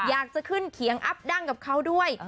อยากจะขึ้นเขียงอัพดั้งกับเขาด้วย